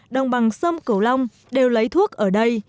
đồng bằng sông cửu long đều lấy thuốc ở đây